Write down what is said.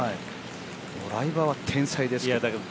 ドライバーは天才ですけど。